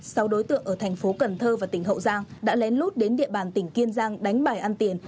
sáu đối tượng ở thành phố cần thơ và tỉnh hậu giang đã lén lút đến địa bàn tỉnh kiên giang đánh bài ăn tiền